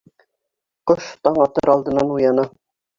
Ҡош таң атыр алдынан уяна.